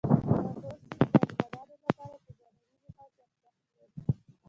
آمو سیند د افغانانو لپاره په معنوي لحاظ ارزښت لري.